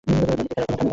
তাকে দিয়ে খেলায় কেন!